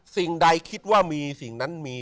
สิ่งใดคิดว่ามีสิ่งนั้นมี